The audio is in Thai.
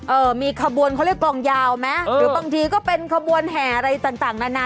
เออมีขบวนเขาเรียกกลองยาวไหมหรือบางทีก็เป็นขบวนแห่อะไรต่างต่างนานา